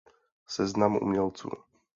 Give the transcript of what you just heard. Seznam umělců.